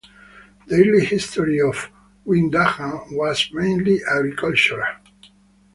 The early history of Wyandanch was mainly agricultural.